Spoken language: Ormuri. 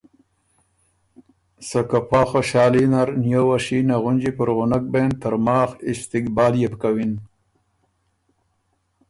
سکه پا خوشالي نر نیووه شینه غُنجی پُرغنک بېن ترماخ استقبال يې بو کوِن۔